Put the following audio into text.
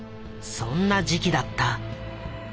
そんな時期だった。